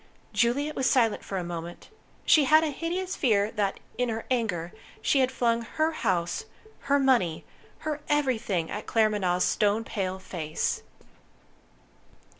Juliet was silent for a moment. She had a hideous fear that, in her anger, she had flung Her house, Her money, Her everything, at Claremanagh's stone pale face.